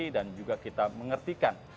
dan juga kita mengertikan